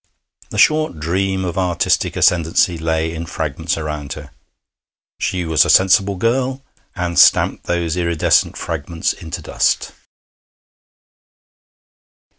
The short dream of artistic ascendancy lay in fragments around her. She was a sensible girl, and stamped those iridescent fragments into dust.